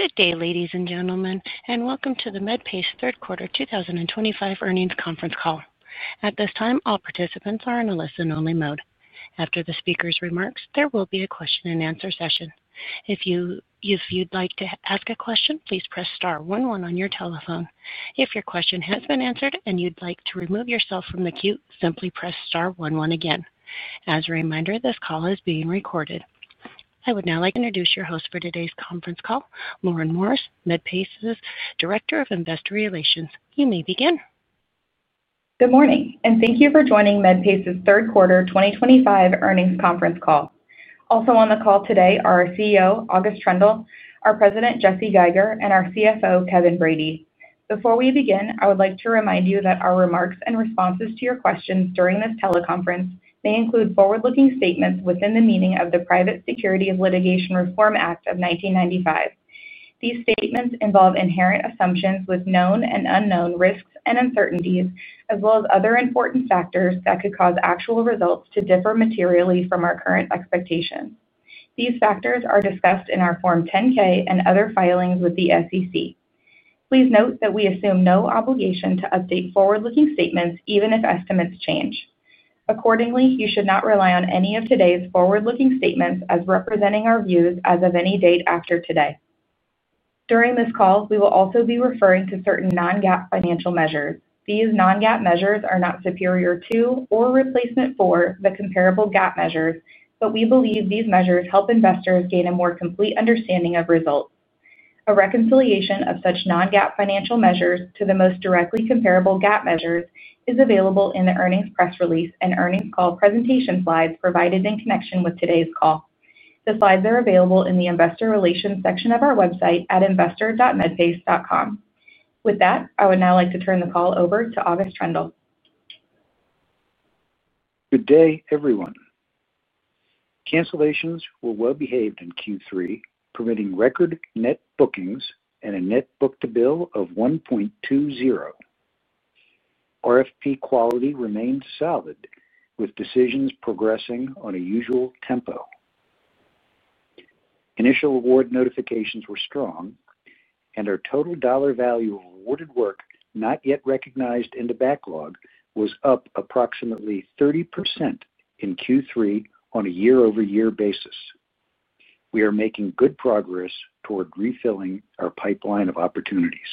Good day, ladies and gentlemen, and welcome to the Medpace Third Quarter 2025 Earnings Conference Call. At this time, all participants are in a listen-only mode. After the speaker's remarks, there will be a question and answer session. If you'd like to ask a question, please press star one-one on your telephone. If your question has been answered and you'd like to remove yourself from the queue, simply press star one-one again. As a reminder, this call is being recorded. I would now like to introduce your host for today's conference call, Lauren Morris, Medpace's Director of Investor Relations. You may begin. Good morning, and thank you for joining Medpace's Third Quarter 2025 Earnings Conference Call. Also on the call today are our CEO, August Troendle, our President, Jesse Geiger, and our CFO, Kevin Brady. Before we begin, I would like to remind you that our remarks and responses to your questions during this teleconference may include forward-looking statements within the meaning of the Private Securities Litigation Reform Act of 1995. These statements involve inherent assumptions with known and unknown risks and uncertainties, as well as other important factors that could cause actual results to differ materially from our current expectations. These factors are discussed in our Form 10-K and other filings with the SEC. Please note that we assume no obligation to update forward-looking statements, even if estimates change. Accordingly, you should not rely on any of today's forward-looking statements as representing our views as of any date after today. During this call, we will also be referring to certain non-GAAP financial measures. These non-GAAP measures are not superior to or replacement for the comparable GAAP measures, but we believe these measures help investors gain a more complete understanding of results. A reconciliation of such non-GAAP financial measures to the most directly comparable GAAP measures is available in the earnings press release and earnings call presentation slides provided in connection with today's call. The slides are available in the Investor Relations section of our website at investor.medpace.com. With that, I would now like to turn the call over to August Troendle. Good day, everyone. Cancellations were well-behaved in Q3, permitting record net bookings and a net book-to-bill of 1.20. RFP quality remained solid, with decisions progressing on a usual tempo. Initial award notifications were strong, and our total dollar value of awarded work not yet recognized in the backlog was up approximately 30% in Q3 on a year-over-year basis. We are making good progress toward refilling our pipeline of opportunities.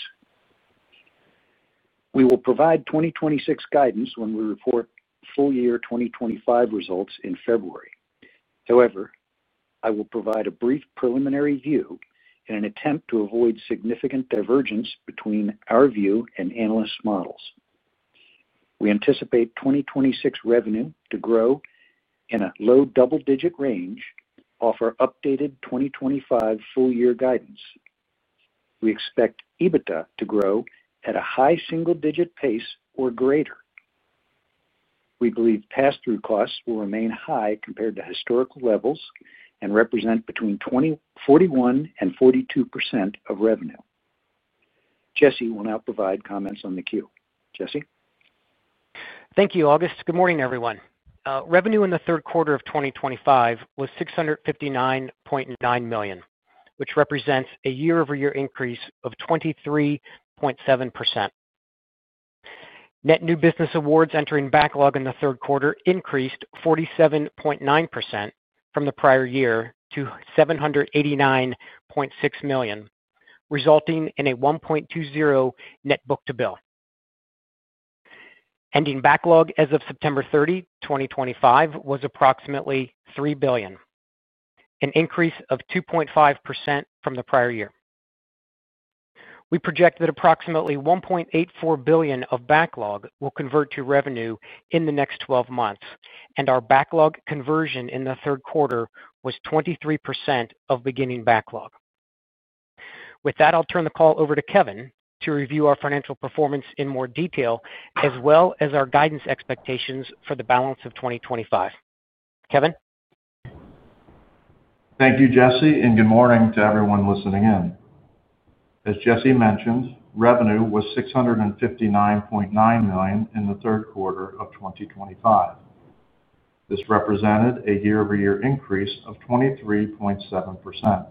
We will provide 2026 guidance when we report full-year 2025 results in February. However, I will provide a brief preliminary view in an attempt to avoid significant divergence between our view and analysts' models. We anticipate 2026 revenue to grow in a low double-digit range of our updated 2025 full-year guidance. We expect EBITDA to grow at a high single-digit pace or greater. We believe pass-through costs will remain high compared to historical levels and represent between 41%-42% of revenue. Jesse will now provide comments on the queue. Jesse? Thank you, August. Good morning, everyone. Revenue in the third quarter of 2025 was $659.9 million, which represents a year-over-year increase of 23.7%. Net new business awards entering backlog in the third quarter increased 47.9% from the prior year to $789.6 million, resulting in a 1.20 net book-to-bill. Ending backlog as of September 30, 2025, was approximately $3 billion, an increase of 2.5% from the prior year. We project that approximately $1.84 billion of backlog will convert to revenue in the next 12 months, and our backlog conversion in the third quarter was 23% of beginning backlog. With that, I'll turn the call over to Kevin to review our financial performance in more detail, as well as our guidance expectations for the balance of 2025. Kevin? Thank you, Jesse, and good morning to everyone listening in. As Jesse mentioned, revenue was $659.9 million in the third quarter of 2025. This represented a year-over-year increase of 23.7%.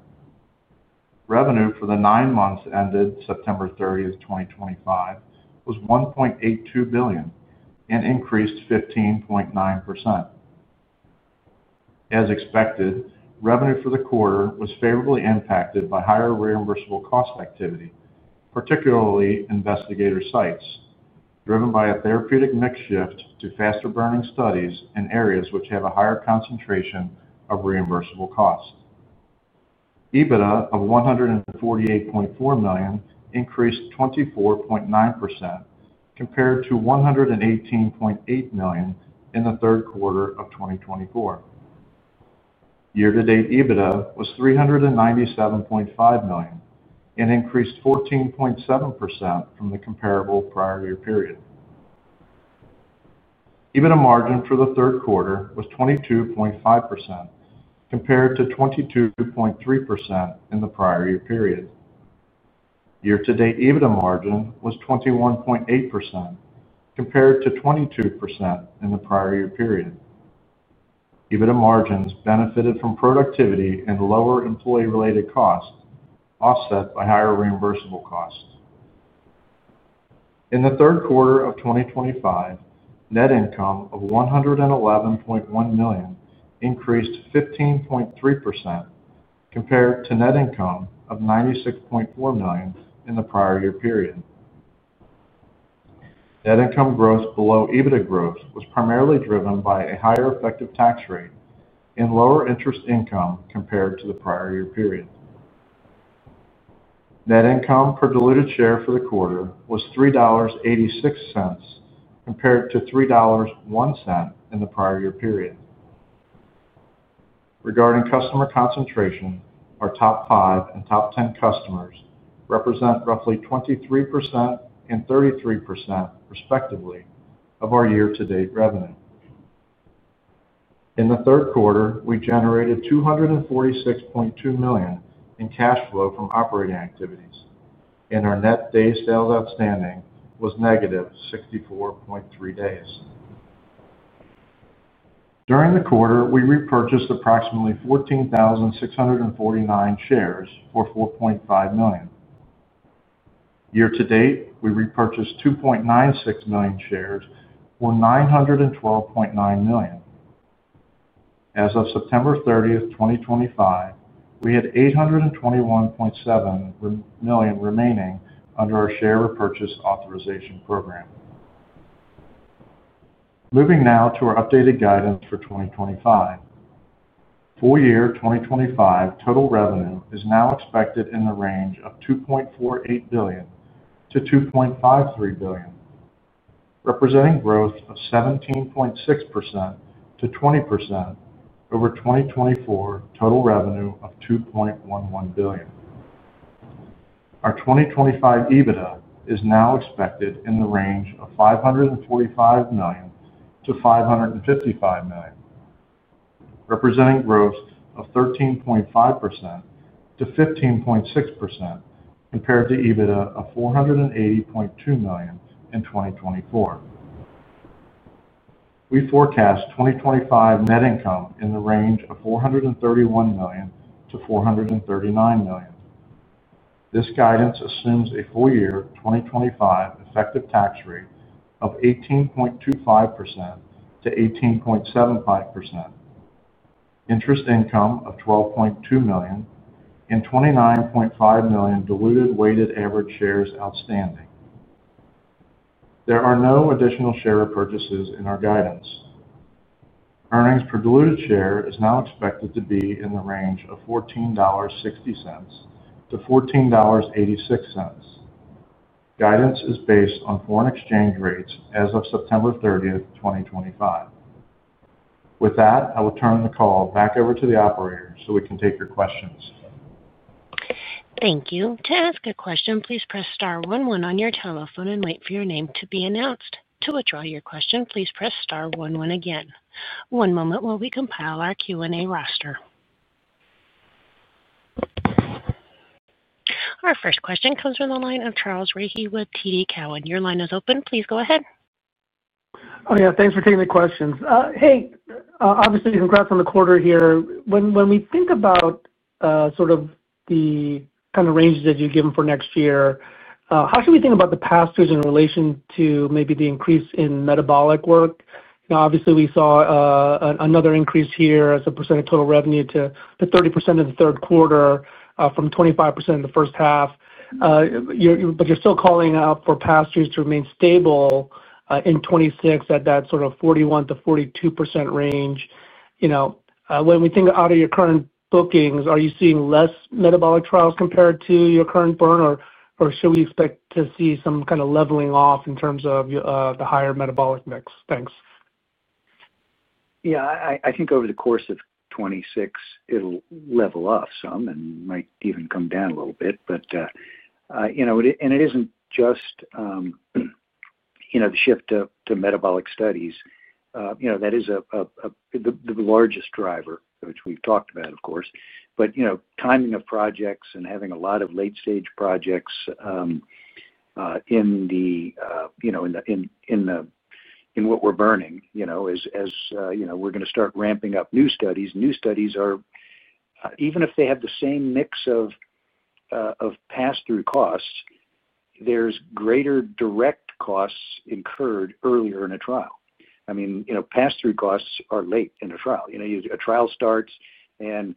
Revenue for the nine months ended September 30, 2025, was $1.82 billion and increased 15.9%. As expected, revenue for the quarter was favorably impacted by higher reimbursable cost activity, particularly investigator sites, driven by a therapeutic mix shift to faster-burning studies in areas which have a higher concentration of reimbursable costs. EBITDA of $148.4 million increased 24.9% compared to $118.8 million in the third quarter of 2024. Year-to-date EBITDA was $397.5 million and increased 14.7% from the comparable prior year period. EBITDA margin for the third quarter was 22.5% compared to 22.3% in the prior year period. Year-to-date EBITDA margin was 21.8% compared to 22% in the prior year period. EBITDA margins benefited from productivity and lower employee-related costs, offset by higher reimbursable costs. In the third quarter of 2025, net income of $111.1 million increased 15.3% compared to net income of $96.4 million in the prior year period. Net income growth below EBITDA growth was primarily driven by a higher effective tax rate and lower interest income compared to the prior year period. Net income per diluted share for the quarter was $3.86 compared to $3.01 in the prior year period. Regarding customer concentration, our top five and top ten customers represent roughly 23% and 33%, respectively, of our year-to-date revenue. In the third quarter, we generated $246.2 million in cash flow from operating activities, and our net days sales outstanding was negative 64.3 days. During the quarter, we repurchased approximately 14,649 shares for $4.5 million. Year to date, we repurchased 2.96 million shares for $912.9 million. As of September 30th, 2025, we had $821.7 million remaining under our share repurchase authorization program. Moving now to our updated guidance for 2025. Full-year 2025 total revenue is now expected in the range of $2.48 billion-$2.53 billion, representing growth of 17.6%-20% over 2024 total revenue of $2.11 billion. Our 2025 EBITDA is now expected in the range of $545 million-$555 million, representing growth of 13.5%-15.6% compared to EBITDA of $480.2 million in 2024. We forecast 2025 net income in the range of $431 million-$439 million. This guidance assumes a full-year 2025 effective tax rate of 18.25%-18.75%, interest income of $12.2 million, and 29.5 million diluted weighted average shares outstanding. There are no additional share repurchases in our guidance. Earnings per diluted share is now expected to be in the range of $14.60-$14.86. Guidance is based on foreign exchange rates as of September 30th, 2025. With that, I will turn the call back over to the operator so we can take your questions. Thank you. To ask a question, please press star one-one on your telephone and wait for your name to be announced. To withdraw your question, please press star one-one again. One moment while we compile our Q&A roster. Our first question comes from the line of Charles Rhyee with TD Cowen. Your line is open. Please go ahead. Oh, yeah. Thanks for taking the questions. Hey, obviously, congrats on the quarter here. When we think about sort of the kind of ranges that you've given for next year, how should we think about the pass-throughs in relation to maybe the increase in metabolic work? You know, obviously, we saw another increase here as a percent of total revenue to 30% in the third quarter from 25% in the first half. You're still calling out for pass-throughs to remain stable in 2026 at that sort of 41%-42% range. You know, when we think out of your current bookings, are you seeing less metabolic trials compared to your current burn, or should we expect to see some kind of leveling off in terms of the higher metabolic mix? Thanks. Yeah. I think over the course of 2026, it'll level off some and might even come down a little bit. It isn't just the shift to metabolic studies. That is the largest driver, which we've talked about, of course. The timing of projects and having a lot of late-stage projects in what we're burning, as you know, we're going to start ramping up new studies. New studies are, even if they have the same mix of pass-through costs, there's greater direct costs incurred earlier in a trial. Pass-through costs are late in a trial. A trial starts, and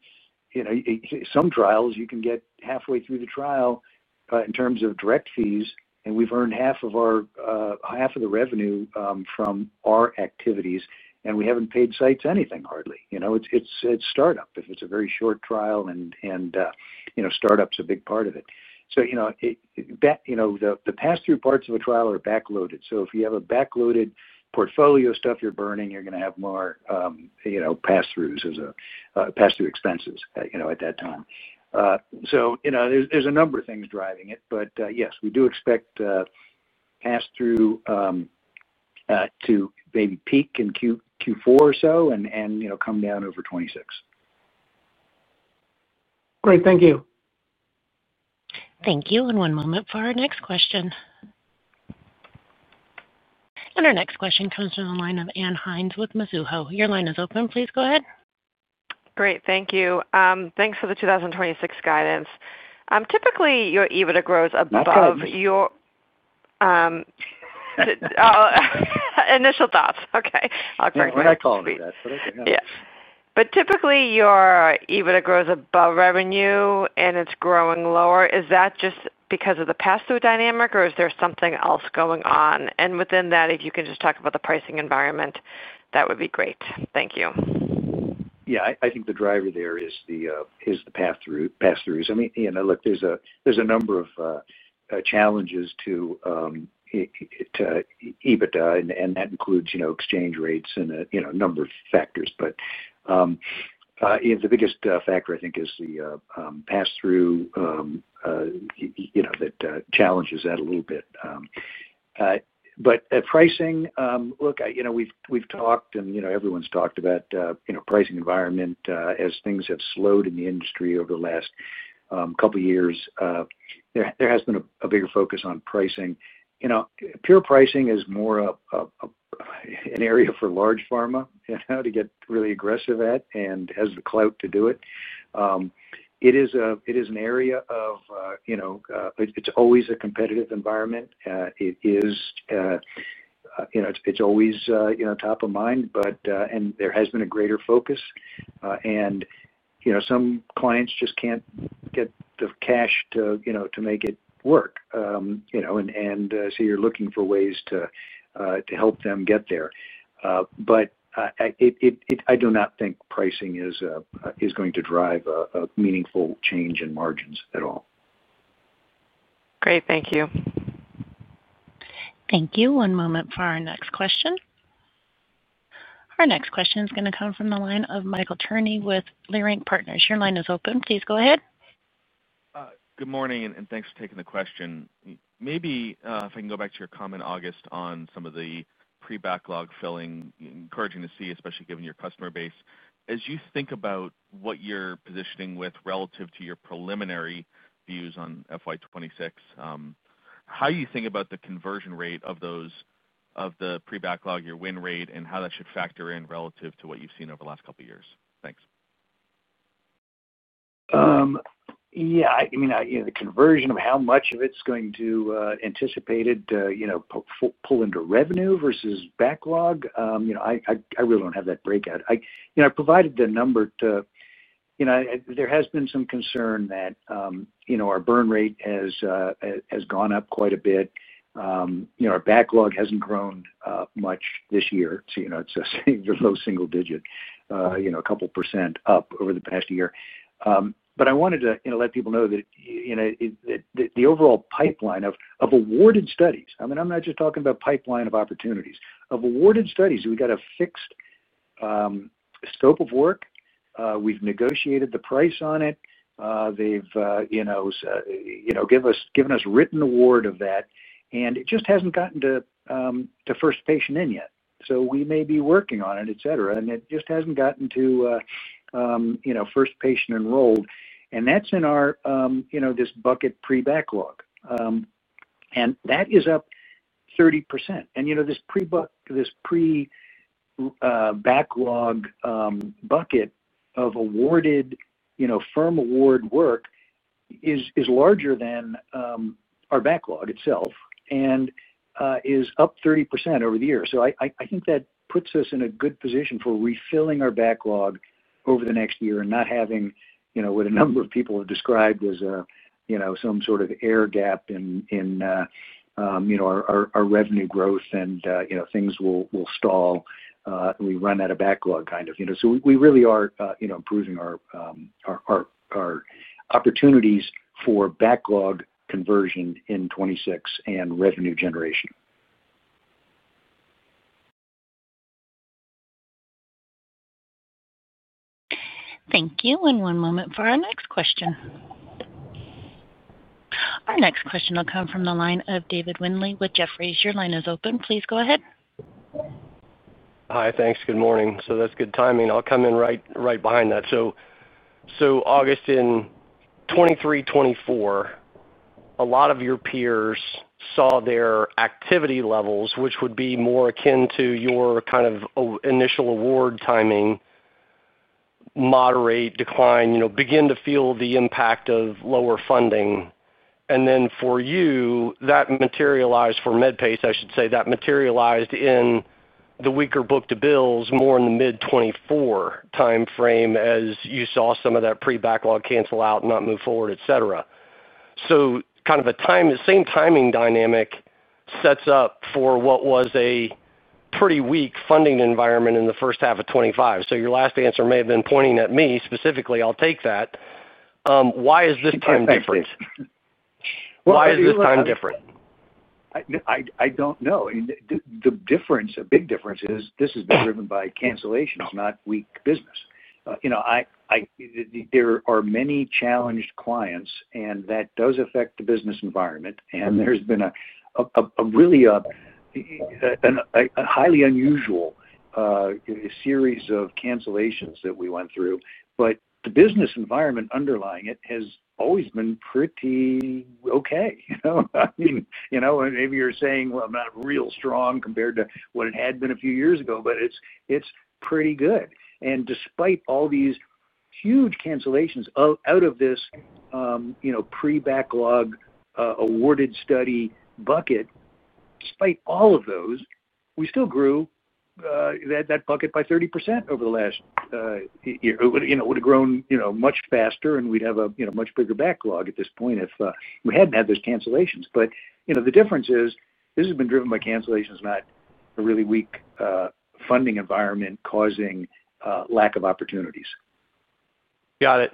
some trials you can get halfway through the trial in terms of direct fees, and we've earned half of the revenue from our activities, and we haven't paid sites anything hardly. It's startup. If it's a very short trial, and startup's a big part of it. The pass-through parts of a trial are backloaded. If you have a backloaded portfolio of stuff you're burning, you're going to have more pass-through expenses at that time. There are a number of things driving it. Yes, we do expect pass-through to maybe peak in Q4 or so and come down over 2026. Great. Thank you. Thank you. One moment for our next question. Our next question comes from the line of Ann Hynes with Mizuho. Your line is open. Please go ahead. Great. Thank you. Thanks for the 2026 guidance. Typically, your EBITDA grows above your initial thoughts. Typically, your EBITDA grows above revenue and it's growing lower. Is that just because of the pass-through dynamic, or is there something else going on? If you can just talk about the pricing environment, that would be great. Thank you. Yeah. I think the driver there is the pass-throughs. I mean, look, there's a number of challenges to EBITDA, and that includes exchange rates and a number of factors. The biggest factor, I think, is the pass-through that challenges that a little bit. At pricing, look, we've talked, and everyone's talked about the pricing environment. As things have slowed in the industry over the last couple of years, there has been a bigger focus on pricing. Pure pricing is more an area for large pharma to get really aggressive at and has the clout to do it. It is an area of, you know, it's always a competitive environment. It is, you know, it's always top of mind, but there has been a greater focus. Some clients just can't get the cash to make it work, and so you're looking for ways to help them get there. I do not think pricing is going to drive a meaningful change in margins at all. Great. Thank you. Thank you. One moment for our next question. Our next question is going to come from the line of Michael Cherny with Leerink Partners. Your line is open. Please go ahead. Good morning, and thanks for taking the question. Maybe if I can go back to your comment, August, on some of the pre-backlog filling. Encouraging to see, especially given your customer base. As you think about what you're positioning with relative to your preliminary views on FY2026, how do you think about the conversion rate of those of the pre-backlog, your win rate, and how that should factor in relative to what you've seen over the last couple of years? Thanks. Yeah. I mean, you know, the conversion of how much of it's going to anticipated, you know, pull into revenue versus backlog, I really don't have that breakout. I provided the number to, you know, there has been some concern that our burn rate has gone up quite a bit. Our backlog hasn't grown much this year. It's a low single digit, a couple % up over the past year. I wanted to let people know that the overall pipeline of awarded studies—I mean, I'm not just talking about pipeline of opportunities—of awarded studies, we got a fixed scope of work. We've negotiated the price on it. They've given us written award of that. It just hasn't gotten to first patient in yet. We may be working on it, etc. It just hasn't gotten to first patient enrolled. That's in our, you know, this bucket pre-backlog. That is up 30%. This pre-backlog bucket of awarded, firm award work is larger than our backlog itself and is up 30% over the year. I think that puts us in a good position for refilling our backlog over the next year and not having what a number of people have described as some sort of air gap in our revenue growth and things will stall. We run out of backlog, kind of. We really are improving our opportunities for backlog conversion in 2026 and revenue generation. Thank you. One moment for our next question. Our next question will come from the line of David Windley with Jefferies. Your line is open. Please go ahead. Hi. Thanks. Good morning. That's good timing. I'll come in right behind that. August, in 2023, 2024, a lot of your peers saw their activity levels, which would be more akin to your kind of initial award timing, moderate, decline, begin to feel the impact of lower funding. For you, that materialized for Medpace, I should say, that materialized in the weaker book-to-bill ratios, more in the mid-2024 timeframe as you saw some of that pre-backlog cancel out and not move forward, etc. The same timing dynamic sets up for what was a pretty weak funding environment in the first half of 2025. Your last answer may have been pointing at me specifically. I'll take that. Why is this time different? I think. Why is this time different? I don't know. The difference, a big difference, is this has been driven by cancellations, not weak business. There are many challenged clients, and that does affect the business environment. There's been a really highly unusual series of cancellations that we went through. The business environment underlying it has always been pretty okay. Maybe you're saying, I'm not real strong compared to what it had been a few years ago, but it's pretty good. Despite all these huge cancellations out of this pre-backlog awarded study bucket, despite all of those, we still grew that bucket by 30% over the last year. It would have grown much faster, and we'd have a much bigger backlog at this point if we hadn't had those cancellations. The difference is this has been driven by cancellations, not a really weak funding environment causing lack of opportunities. Got it.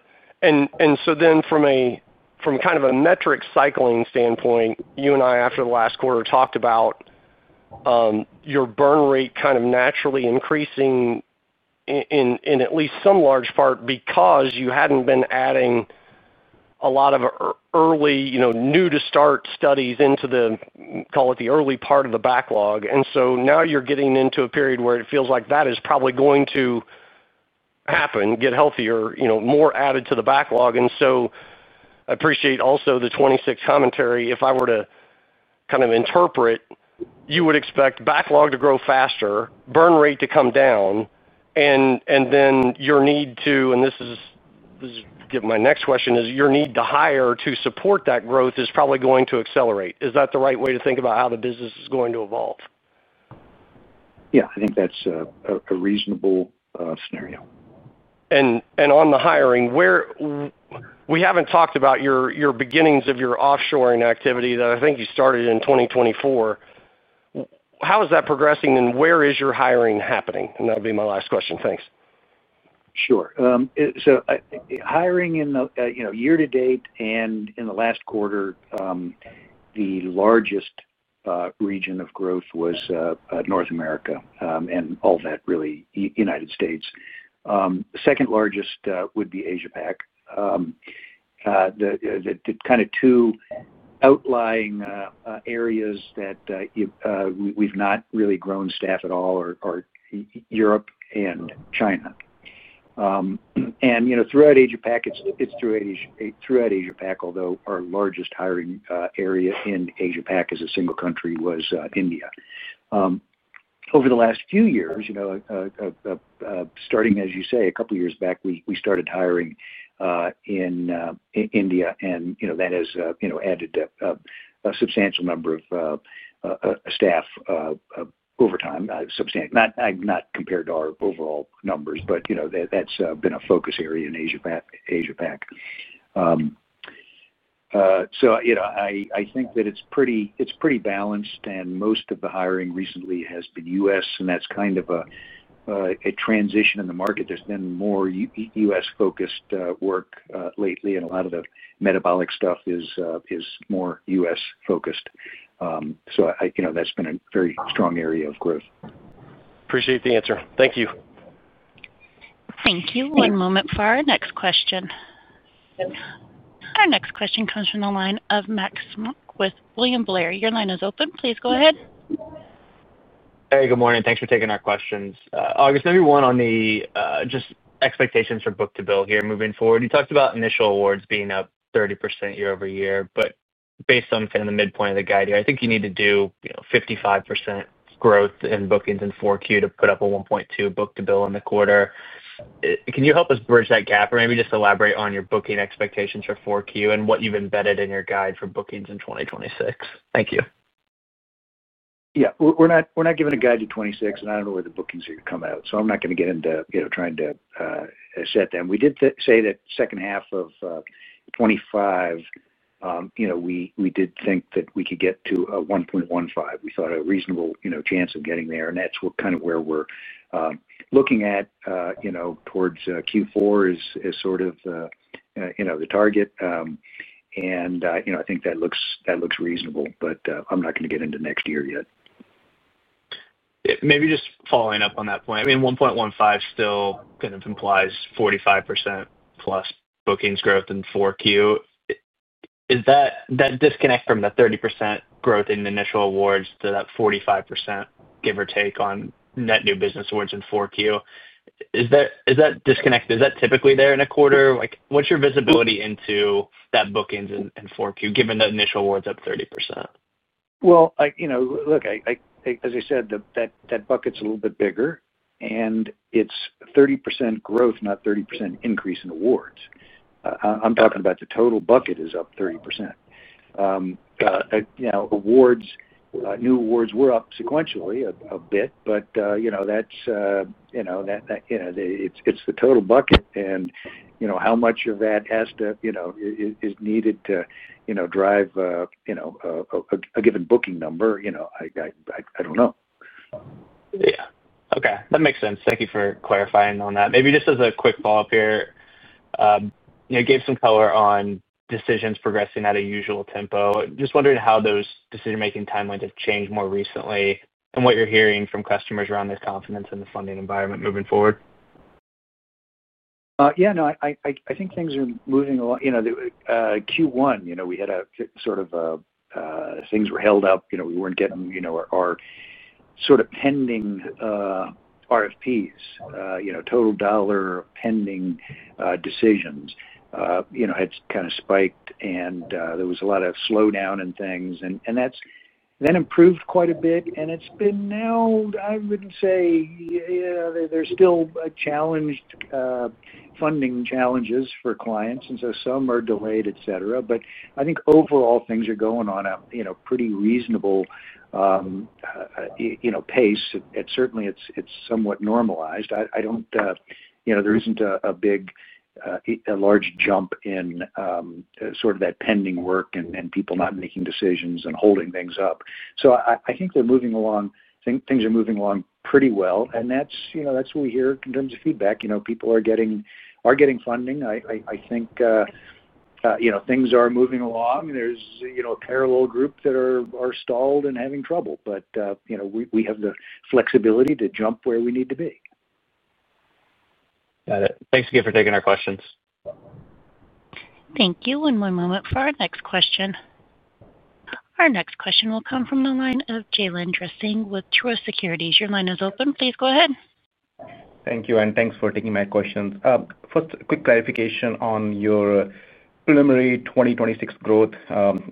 From a kind of metric cycling standpoint, you and I, after the last quarter, talked about your burn rate naturally increasing in at least some large part because you hadn't been adding a lot of early, new-to-start studies into the, call it, the early part of the backlog. Now you're getting into a period where it feels like that is probably going to happen, get healthier, more added to the backlog. I appreciate also the 2026 commentary. If I were to interpret, you would expect backlog to grow faster, burn rate to come down, and then your need to hire to support that growth is probably going to accelerate. Is that the right way to think about how the business is going to evolve? Yeah, I think that's a reasonable scenario. Regarding the hiring, we haven't talked about your beginnings of your offshoring activity that I think you started in 2024. How is that progressing, and where is your hiring happening? That'll be my last question. Thanks. Sure. Hiring in the year-to-date and in the last quarter, the largest region of growth was North America, and all that really United States. The second largest would be Asia-Pac. The kind of two outlying areas that we've not really grown staff at all are Europe and China. Throughout Asia-Pac, it's throughout Asia-Pac, although our largest hiring area in Asia-Pac as a single country was India. Over the last few years, starting, as you say, a couple of years back, we started hiring in India, and that has added a substantial number of staff over time. Not compared to our overall numbers, but that's been a focus area in Asia-Pac. I think that it's pretty balanced, and most of the hiring recently has been U.S., and that's kind of a transition in the market. There's been more U.S.-focused work lately, and a lot of the metabolic stuff is more U.S.-focused. That's been a very strong area of growth. Appreciate the answer. Thank you. Thank you. One moment for our next question. Our next question comes from the line of Max Smock with William Blair. Your line is open. Please go ahead. Hey, good morning. Thanks for taking our questions. August, maybe one on the just expectations for book-to-bill here moving forward. You talked about initial awards being up 30% year-over-year, but based on kind of the midpoint of the guide here, I think you need to do 55% growth in bookings in 4Q to put up a 1.2 book-to-bill in the quarter. Can you help us bridge that gap or maybe just elaborate on your booking expectations for 4Q and what you've embedded in your guide for bookings in 2026? Thank you. Yeah. We're not giving a guide to 2026, and I don't know where the bookings are going to come out. I'm not going to get into, you know, trying to set them. We did say that second half of 2025, you know, we did think that we could get to a 1.15. We thought a reasonable, you know, chance of getting there. That's kind of where we're looking at, you know, towards Q4 is sort of the, you know, the target. I think that looks reasonable, but I'm not going to get into next year yet. Maybe just following up on that point. I mean, 1.15 still kind of implies 45%+ bookings growth in 4Q. Is that disconnect from the 30% growth in initial awards to that 45%, give or take, on net new business awards in 4Q? Is that disconnect? Is that typically there in a quarter? What's your visibility into that bookings in 4Q given that initial awards up 30%? As I said, that bucket's a little bit bigger, and it's 30% growth, not 30% increase in awards. I'm talking about the total bucket is up 30%. Awards, new awards were up sequentially a bit, but it's the total bucket. How much of that is needed to drive a given booking number? I don't know. Yeah. Okay, that makes sense. Thank you for clarifying on that. Maybe just as a quick follow-up here, you gave some color on decisions progressing at a usual tempo. Just wondering how those decision-making timelines have changed more recently and what you're hearing from customers around this confidence in the funding environment moving forward. Yeah. No, I think things are moving along. Q1, we had a sort of a things were held up. We weren't getting our sort of pending RFPs, total dollar pending decisions. It's kind of spiked, and there was a lot of slowdown in things. That's then improved quite a bit. It's been now, I wouldn't say, yeah, there's still funding challenges for clients. Some are delayed, etc. I think overall things are going on a pretty reasonable pace. It certainly, it's somewhat normalized. I don't, there isn't a big, a large jump in sort of that pending work and people not making decisions and holding things up. I think they're moving along. Things are moving along pretty well. That's what we hear in terms of feedback. People are getting funding. I think things are moving along. There's a parallel group that are stalled and having trouble. We have the flexibility to jump where we need to be. Got it. Thanks again for taking our questions. Thank you. One more moment for our next question. Our next question will come from the line of Jaylen Dressing with Truist Securities. Your line is open. Please go ahead. Thank you, and thanks for taking my questions. First, a quick clarification on your preliminary 2026 growth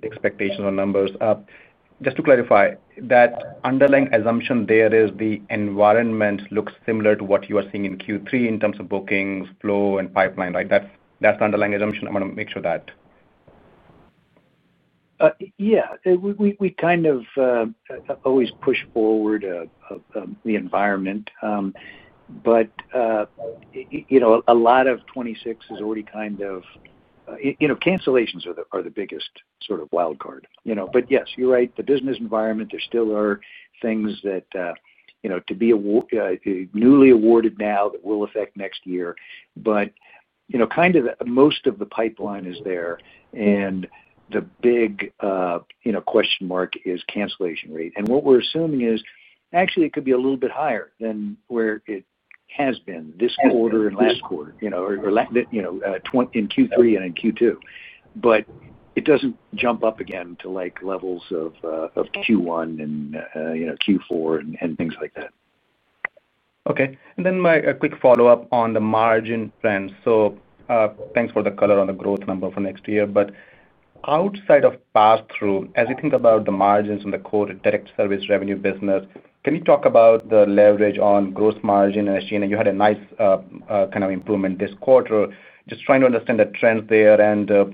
expectations or numbers. Just to clarify, that underlying assumption there is the environment looks similar to what you are seeing in Q3 in terms of bookings, flow, and pipeline, right? That's the underlying assumption. I want to make sure that. Yeah. We kind of always push forward the environment. A lot of 2026 is already kind of, you know, cancellations are the biggest sort of wildcard. Yes, you're right. The business environment, there still are things that, you know, to be newly awarded now that will affect next year. Most of the pipeline is there. The big question mark is cancellation rate. What we're assuming is, actually, it could be a little bit higher than where it has been this quarter and last quarter, or in Q3 and in Q2. It doesn't jump up again to like levels of Q1 and Q4 and things like that. Okay. My quick follow-up on the margin trends. Thanks for the color on the growth number for next year. Outside of pass-through, as you think about the margins on the core direct service revenue business, can you talk about the leverage on gross margin? As you know, you had a nice kind of improvement this quarter. Just trying to understand the trends there. Do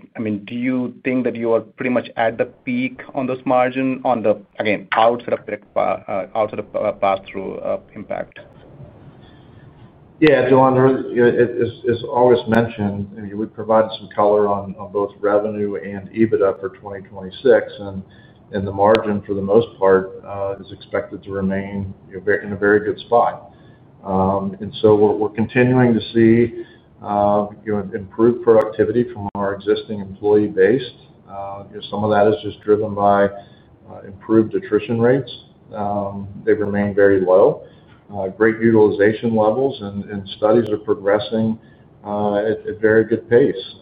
you think that you are pretty much at the peak on those margins, again, outside of pass-through impact? Yeah. Joan, as August mentioned, we provided some color on both revenue and EBITDA for 2026. The margin, for the most part, is expected to remain in a very good spot. We're continuing to see improved productivity from our existing employee base. Some of that is just driven by improved attrition rates. They remain very low. Great utilization levels, and studies are progressing at a very good pace.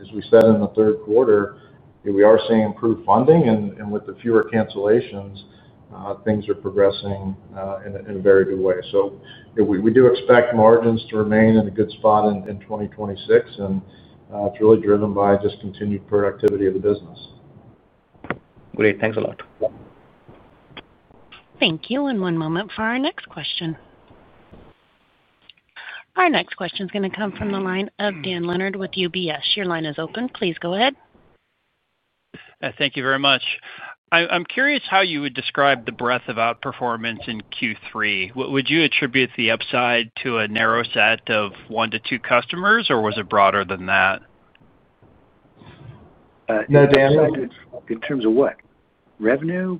As we said in the third quarter, we are seeing improved funding. With the fewer cancellations, things are progressing in a very good way. We do expect margins to remain in a good spot in 2026. It's really driven by just continued productivity of the business. Great. Thanks a lot. Thank you. One moment for our next question. Our next question is going to come from the line of Dan Leonard with UBS. Your line is open. Please go ahead. Thank you very much. I'm curious how you would describe the breadth of outperformance in Q3. Would you attribute the upside to a narrow set of one to two customers, or was it broader than that? No, Dan. In terms of what? Revenue?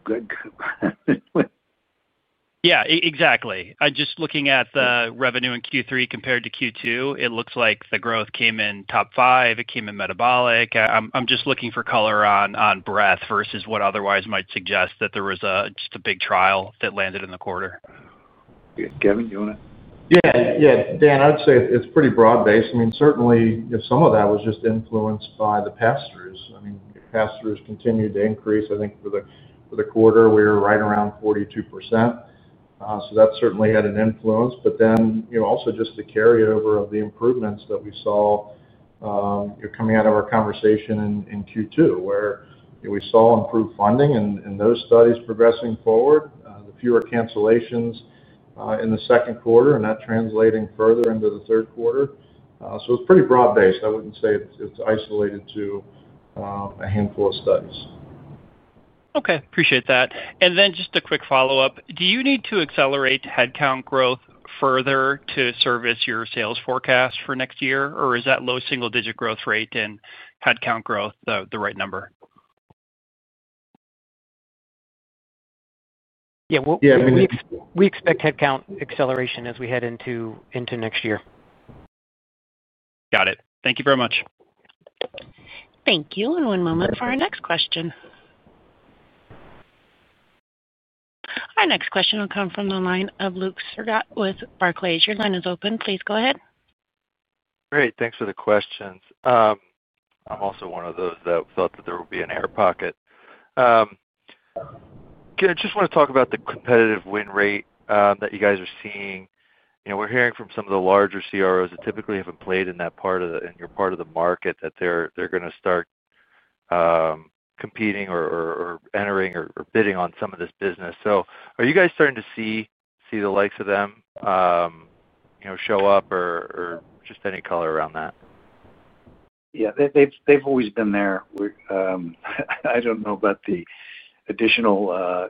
Yeah, exactly. Just looking at the revenue in Q3 compared to Q2, it looks like the growth came in top five. It came in metabolic. I'm just looking for color on breadth versus what otherwise might suggest that there was just a big trial that landed in the quarter. Yeah, Kevin, you want to? Yeah, yeah. Dan, I'd say it's pretty broad-based. Certainly, some of that was just influenced by the pass-throughs. Pass-throughs continued to increase. I think for the quarter, we were right around 42%. That certainly had an influence. Also, just the carryover of the improvements that we saw coming out of our conversation in Q2, where we saw improved funding in those studies progressing forward, the fewer cancellations in the second quarter, and that translating further into the third quarter. It's pretty broad-based. I wouldn't say it's isolated to a handful of studies. Okay. Appreciate that. Just a quick follow-up. Do you need to accelerate headcount growth further to service your sales forecast for next year, or is that low single-digit growth rate in headcount growth the right number? Yeah, we expect headcount acceleration as we head into next year. Got it. Thank you very much. Thank you. One moment for our next question. Our next question will come from the line of Luke Sergott with Barclays. Your line is open. Please go ahead. Great. Thanks for the questions. I'm also one of those that thought that there would be an air pocket. I just want to talk about the competitive win rate that you guys are seeing. You know, we're hearing from some of the larger CROs that typically haven't played in your part of the market, that they're going to start competing or entering or bidding on some of this business. Are you guys starting to see the likes of them show up or just any color around that? Yeah. They've always been there. I don't know about the additional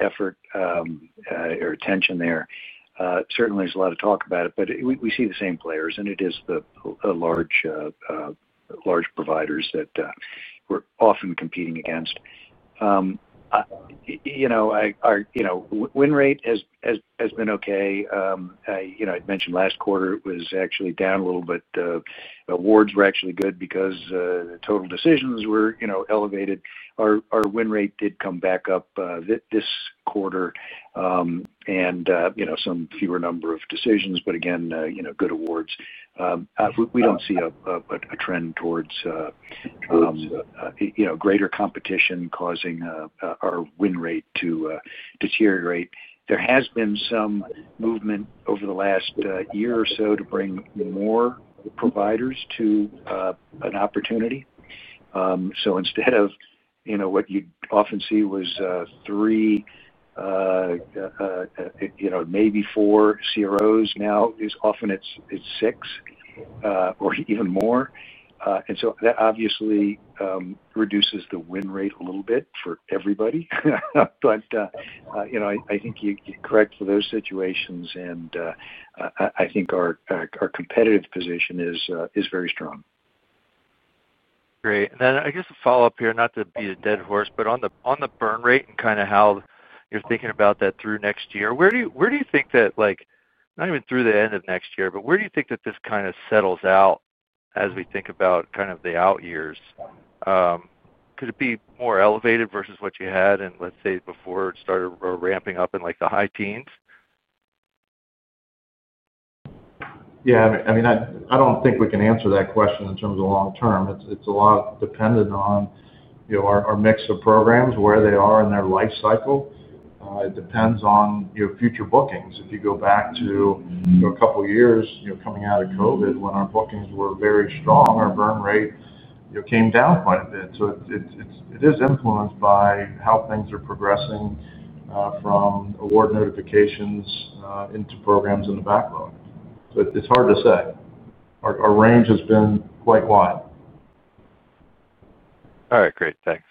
effort or attention there. Certainly, there's a lot of talk about it, but we see the same players, and it is the large providers that we're often competing against. Our win rate has been okay. I mentioned last quarter it was actually down a little, but awards were actually good because the total decisions were elevated. Our win rate did come back up this quarter, and some fewer number of decisions, but again, good awards. We don't see a trend towards greater competition causing our win rate to deteriorate. There has been some movement over the last year or so to bring more providers to an opportunity. Instead of what you'd often see was three, maybe four CROs, now it's often six, or even more. That obviously reduces the win rate a little bit for everybody. I think you're correct for those situations, and I think our competitive position is very strong. Great. I guess a follow-up here, not to beat a dead horse, but on the burn rate and kind of how you're thinking about that through next year, where do you think that, like, not even through the end of next year, but where do you think that this kind of settles out as we think about kind of the out years? Could it be more elevated versus what you had in, let's say, before it started ramping up in like the high teens? I don't think we can answer that question in terms of long term. It's a lot dependent on our mix of programs, where they are in their life cycle. It depends on future bookings. If you go back to a couple of years, coming out of COVID, when our bookings were very strong, our burn rate came down quite a bit. It is influenced by how things are progressing, from award notifications into programs in the backlog. It's hard to say. Our range has been quite wide. All right. Great, thanks.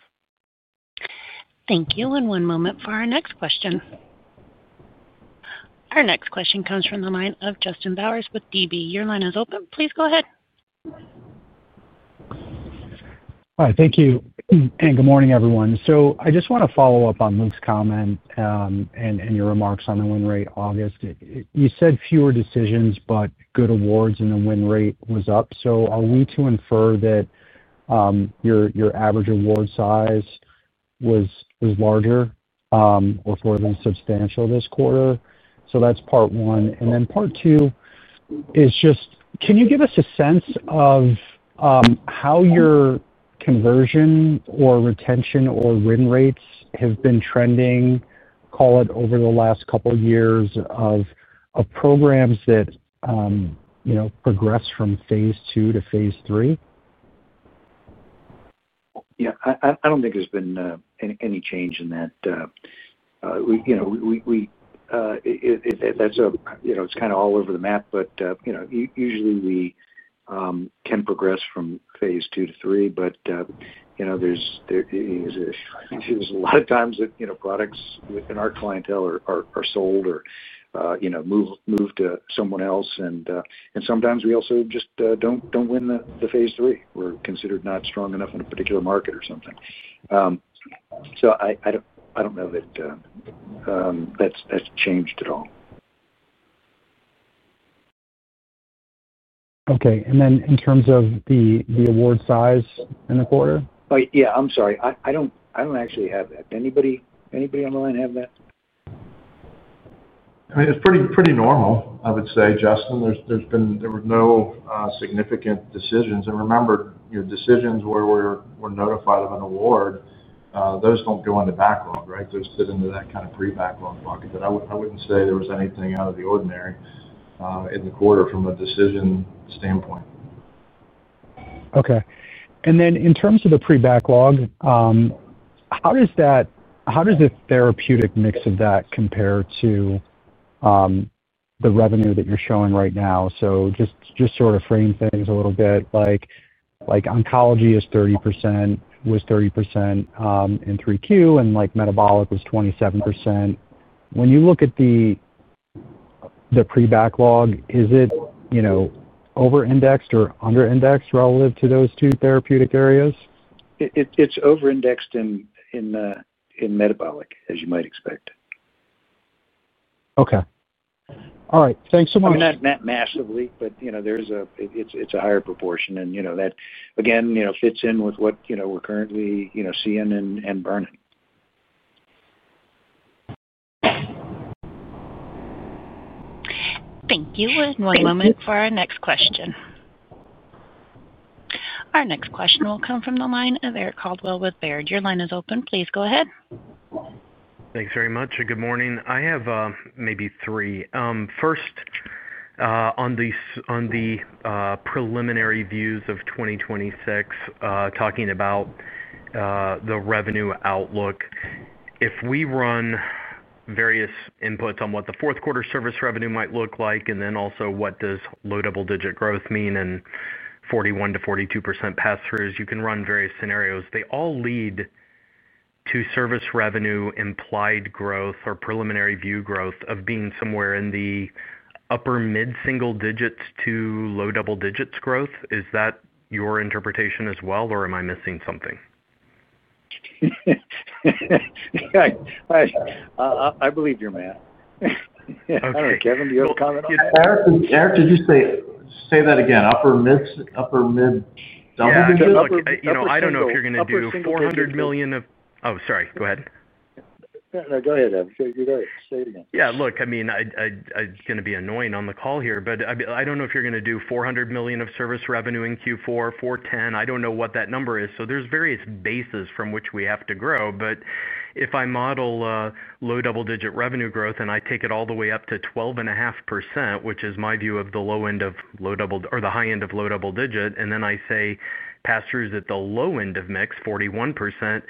Thank you. One moment for our next question. Our next question comes from the line of Justin Bowers with DB. Your line is open. Please go ahead. Hi. Thank you, and good morning, everyone. I just want to follow up on Luke's comment and your remarks on the win rate, August. You said fewer decisions, but good awards, and the win rate was up. Are we to infer that your average award size was larger, or at least substantial this quarter? That's part one. Part two is, can you give us a sense of how your conversion or retention or win rates have been trending, call it, over the last couple of years of programs that progress from phase two to phase three? Yeah. I don't think there's been any change in that. You know, it's kind of all over the map, but, you know, usually, we can progress from phase two to three. You know, there's a lot of times that products in our clientele are sold or moved to someone else. Sometimes we also just don't win the phase three. We're considered not strong enough in a particular market or something. I don't know that that's changed at all. Okay. In terms of the award size in the quarter? I'm sorry. I don't actually have that. Anybody on the line have that? I mean, it's pretty normal, I would say, Justin. There's been no significant decisions. Remember, you know, decisions where we're notified of an award, those don't go in the backlog, right? Those fit into that kind of pre-backlog bucket. I wouldn't say there was anything out of the ordinary in the quarter from a decision standpoint. Okay. In terms of the pre-backlog, how does the therapeutic mix of that compare to the revenue that you're showing right now? Just to sort of frame things a little bit, like oncology is 30%, was 30% in Q3, and metabolic was 27%. When you look at the pre-backlog, is it over-indexed or under-indexed relative to those two therapeutic areas? It's over-indexed in metabolic, as you might expect. Okay. All right. Thanks so much. Not massively, but you know, it's a higher proportion. You know, that again fits in with what we're currently seeing and burning. Thank you. One moment for our next question. Our next question will come from the line of Eric Coldwell with Baird. Your line is open. Please go ahead. Thanks very much. Good morning. I have maybe three. First, on the preliminary views of 2026, talking about the revenue outlook. If we run various inputs on what the fourth quarter service revenue might look like, and also what does low double-digit growth mean in 41%-42% pass-throughs, you can run various scenarios. They all lead to service revenue implied growth or preliminary view growth of being somewhere in the upper mid-single digits to low double digits growth. Is that your interpretation as well, or am I missing something? I believe you're mad. I don't know, Kevin, do you have a comment on that? Eric, did you say that again? Upper mid-double digits? Yeah, I don't know. Upper single. 100 million. Oh, sorry. Go ahead. Go ahead, Evan. Go ahead. Say it again. Yeah. Look, I mean, it's going to be annoying on the call here, but I don't know if you're going to do $400 million of service revenue in Q4, $410 million. I don't know what that number is. There's various bases from which we have to grow. If I model low double digit revenue growth and I take it all the way up to 12.5%, which is my view of the low end of low double or the high end of low double digit, and then I say pass-throughs at the low end of mix, 41%,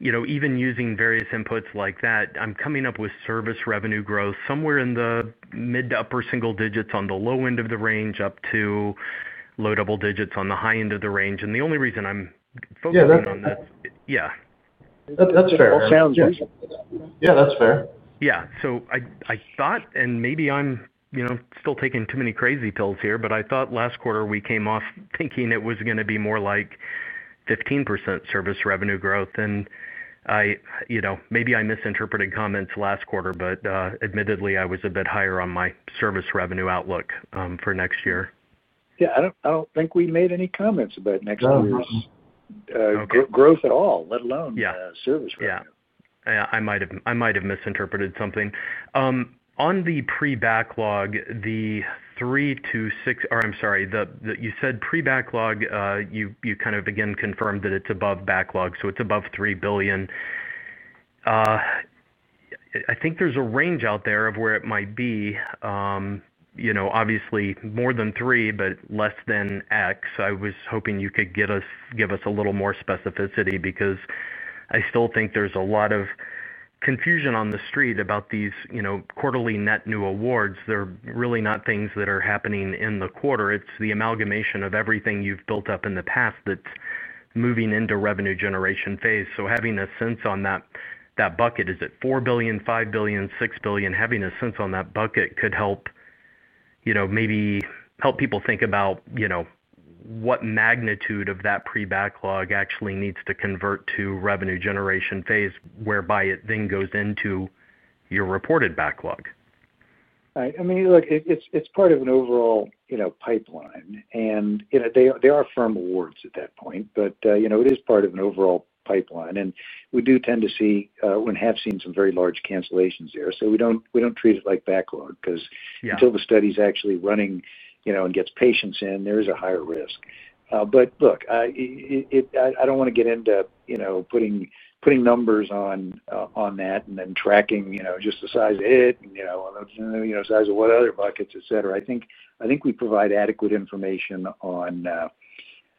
even using various inputs like that, I'm coming up with service revenue growth somewhere in the mid to upper single digits on the low end of the range up to low double digits on the high end of the range. The only reason I'm focusing on that. Yeah. That's fair. Yeah, that's fair. Yeah. I thought, and maybe I'm still taking too many crazy pills here, but I thought last quarter we came off thinking it was going to be more like 15% service revenue growth. I, you know, maybe I misinterpreted comments last quarter, but admittedly, I was a bit higher on my service revenue outlook for next year. Yeah. I don't think we made any comments about next year's growth at all, let alone service revenue. I might have misinterpreted something. On the pre-backlog, the three to six, or I'm sorry, you said pre-backlog, you kind of again confirmed that it's above backlog. It's above $3 billion. I think there's a range out there of where it might be. You know, obviously, more than three, but less than X. I was hoping you could give us a little more specificity because I still think there's a lot of confusion on the street about these quarterly net new business awards. They're really not things that are happening in the quarter. It's the amalgamation of everything you've built up in the past that's moving into revenue generation phase. Having a sense on that bucket, is it $4 billion, $5 billion, $6 billion? Having a sense on that bucket could help, maybe help people think about what magnitude of that pre-backlog actually needs to convert to revenue generation phase whereby it then goes into your reported backlog. Right. I mean, look, it's part of an overall pipeline. There are firm awards at that point, but it is part of an overall pipeline. We do tend to see or have seen some very large cancellations there. We don't treat it like backlog because until the study is actually running and gets patients in, there is a higher risk. I don't want to get into putting numbers on that and then tracking just the size of it and the size of what other buckets, etc. I think we provide adequate information on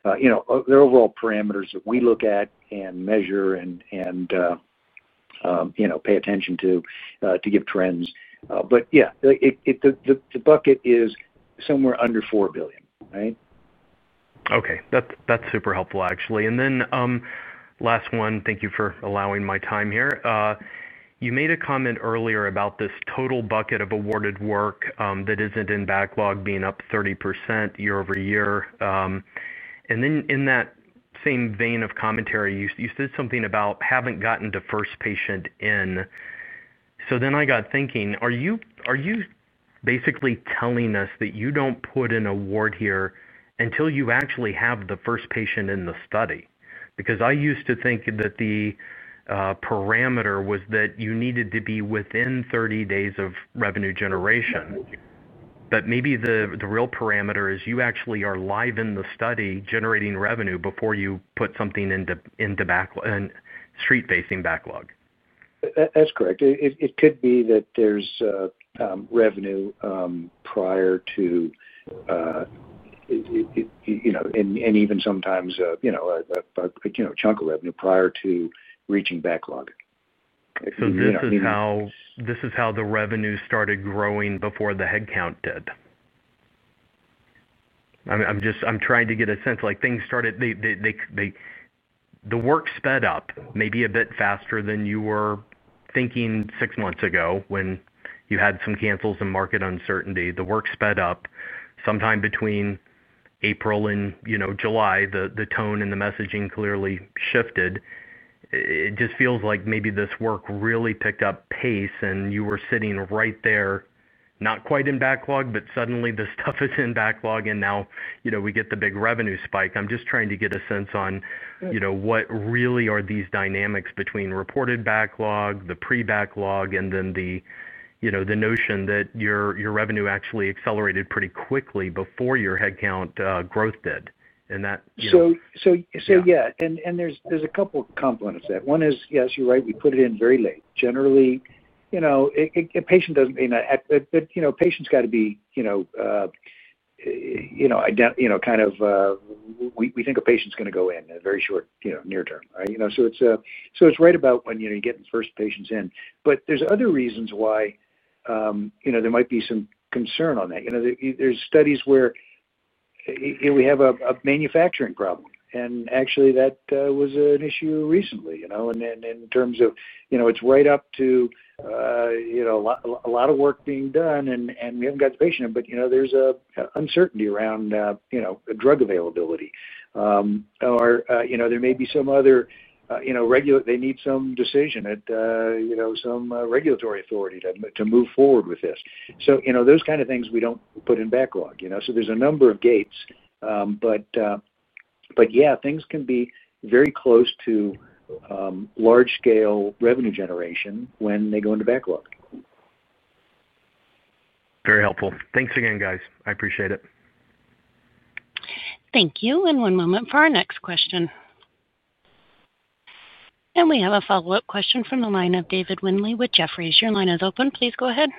the overall parameters that we look at and measure and pay attention to to give trends. The bucket is somewhere under $4 billion, right? Okay. That's super helpful, actually. Last one, thank you for allowing my time here. You made a comment earlier about this total bucket of awarded work that isn't in backlog being up 30% year-over-year. In that same vein of commentary, you said something about haven't gotten to first patient in. I got thinking, are you basically telling us that you don't put an award here until you actually have the first patient in the study? I used to think that the parameter was that you needed to be within 30 days of revenue generation, but maybe the real parameter is you actually are live in the study generating revenue before you put something into street-facing backlog. That's correct. It could be that there's revenue prior to, you know, and even sometimes a chunk of revenue prior to reaching backlog. This is how the revenue started growing before the headcount did. I'm just trying to get a sense. Like things started, the work sped up maybe a bit faster than you were thinking six months ago when you had some cancels and market uncertainty. The work sped up sometime between April and, you know, July. The tone and the messaging clearly shifted. It just feels like maybe this work really picked up pace and you were sitting right there, not quite in backlog, but suddenly this stuff is in backlog and now, you know, we get the big revenue spike. I'm just trying to get a sense on, you know, what really are these dynamics between reported backlog, the pre-backlog, and then the, you know, the notion that your revenue actually accelerated pretty quickly before your headcount growth did. That. Yes, you're right. We put it in very late. Generally, a patient doesn't mean that, but a patient's got to be, you know, kind of, we think a patient's going to go in in a very short, near term. It's right about when you get the first patients in. There's other reasons why there might be some concern on that. There are studies where we have a manufacturing problem. Actually, that was an issue recently, and in terms of, it's right up to a lot of work being done and we haven't got the patient in, but there's an uncertainty around drug availability. There may be some other, they need some decision at some regulatory authority to move forward with this. Those kind of things we don't put in backlog. There are a number of gates. Things can be very close to large-scale revenue generation when they go into backlog. Very helpful. Thanks again, guys. I appreciate it. Thank you. One moment for our next question. We have a follow-up question from the line of David Windley with Jefferies. Your line is open. Please go ahead.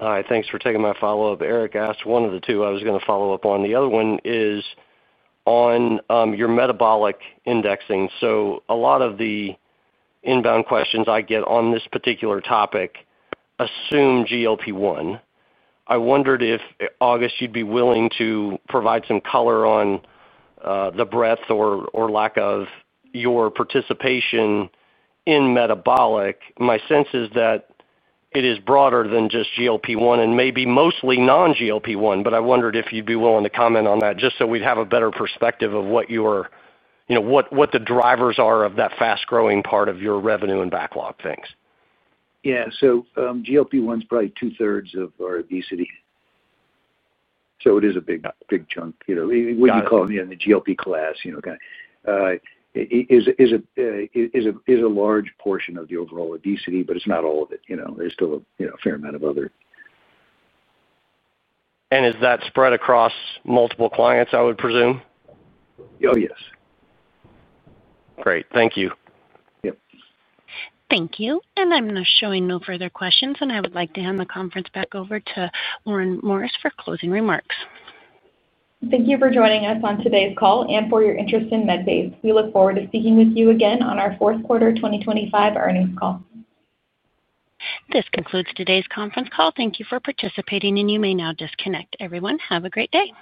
All right. Thanks for taking my follow-up. Eric asked one of the two I was going to follow up on. The other one is on your metabolic indexing. A lot of the inbound questions I get on this particular topic assume GLP-1. I wondered if, August, you'd be willing to provide some color on the breadth or lack of your participation in metabolic. My sense is that it is broader than just GLP-1 and maybe mostly non-GLP-1, but I wondered if you'd be willing to comment on that just so we'd have a better perspective of what your, you know, what the drivers are of that fast-growing part of your revenue and backlog things. Yeah. GLP-1 is probably two-thirds of our obesity, so it is a big chunk. You know, in the GLP-1 class, it is a large portion of the overall obesity, but it's not all of it. There's still a fair amount of other. Is that spread across multiple clients, I would presume? Oh, yes. Great. Thank you. Yep. Thank you. I'm showing no further questions, and I would like to hand the conference back over to Lauren Morris for closing remarks. Thank you for joining us on today's call and for your interest in Medpace. We look forward to speaking with you again on our fourth quarter 2025 earnings call. This concludes today's conference call. Thank you for participating, and you may now disconnect. Everyone, have a great day.